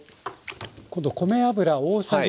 今度米油大さじ２３。